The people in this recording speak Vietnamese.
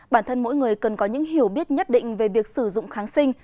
bản thân mỗi người cần có những hiểu biết nhất định về việc sử dụng kháng sinh